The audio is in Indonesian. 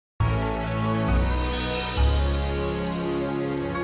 aku udah lihat